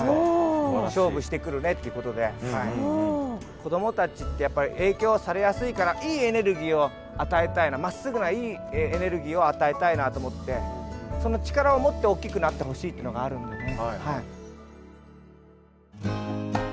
子どもたちってやっぱり影響されやすいからいいエネルギーを与えたいなまっすぐないいエネルギーを与えたいなと思ってその力を持って大きくなってほしいというのがあるんでね。